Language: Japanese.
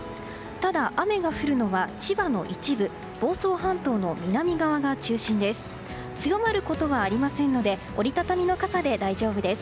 ただ、雨が降るのは千葉の一部、房総半島の南側が中心です。